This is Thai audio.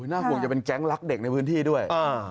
น่าห่วงจะเป็นแก๊งรักเด็กในพื้นที่ด้วย